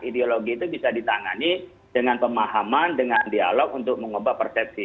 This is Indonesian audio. ideologi itu bisa ditangani dengan pemahaman dengan dialog untuk mengubah persepsi